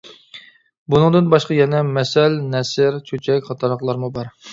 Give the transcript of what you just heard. بۇنىڭدىن باشقا يەنە مەسەل، نەسر، چۆچەك قاتارلىقلارمۇ بار.